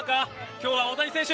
今日は大谷選手